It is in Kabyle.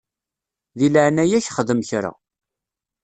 Di leɛnaya-k xdem kra.